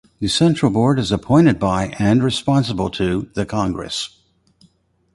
The central board is appointed by and responsible to the congress.